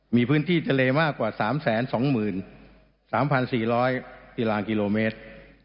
มีพื้นที่ทะเลมากกว่า๓๒๓๔๐๐กิรางกิโลเมตร